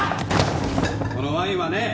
このワインはね